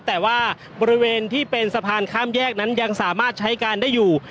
แต่ว่าบริเวณที่เป็นสะพานข้ามแยกนั้นยังสามารถใช้การได้อยู่